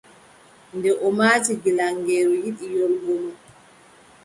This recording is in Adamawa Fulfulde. Nde o maati gilaŋeeru yiɗi yoolgomo,